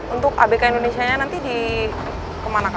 untuk abk indonesia nanti kemana pak